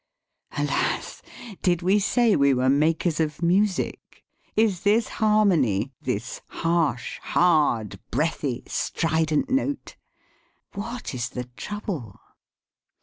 Alas! did we say we were "makers of music"? Is this harmony, this harsh, hard, breathy, strident note? What is the trouble?